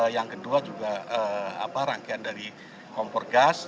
yang kedua juga rangkaian dari kompor gas